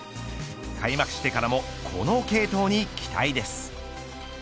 開幕してからも、この継投に期待です。